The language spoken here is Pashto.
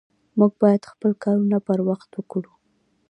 مونږ بايد خپل کارونه پر وخت وکړو